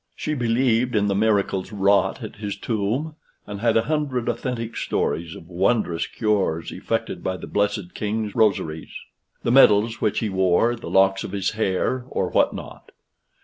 She believed in the miracles wrought at his tomb, and had a hundred authentic stories of wondrous cures effected by the blessed king's rosaries, the medals which he wore, the locks of his hair, or what not.